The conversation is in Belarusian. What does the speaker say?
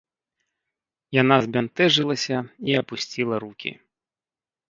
Яна збянтэжылася і апусціла рукі.